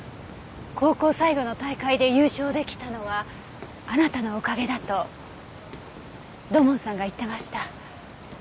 高校最後の大会で優勝出来たのはあなたのおかげだと土門さんが言ってました。